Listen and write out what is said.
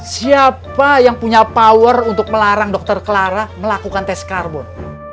siapa yang punya power untuk melarang dokter clara melakukan tes karbon